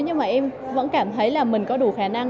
nhưng mà em vẫn cảm thấy là mình có đủ khả năng